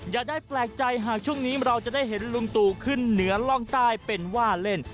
อย่าได้แปลกใจหากช่วงนี้เราจะได้เห็นลุงตู่ขึ้นเหนือล่องใต้เป็นว่าเล่น